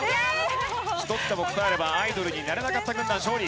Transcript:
１つでも答えればアイドルになれなかった軍団勝利。